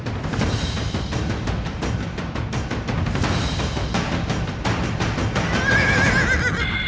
tidak cukup lalu